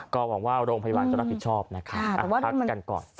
ก็หวังว่าโรงพยาบาลจะรับผิดชอบนะครับพักกันก่อน